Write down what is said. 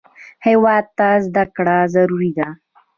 هېواد ته زده کړه ضروري ده